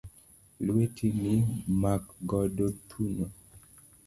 Lwetini makgodo thuno